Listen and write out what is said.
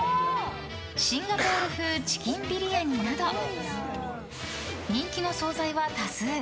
シンガポール風チキンビリヤニなど人気の総菜は多数。